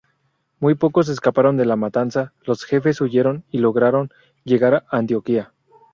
Muy pocos escaparon de la matanza; los jefes huyeron y lograron llegar a Antioquía.